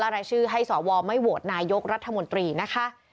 รายชื่อให้สวไม่โหวตนายกรัฐมนตรีนะคะ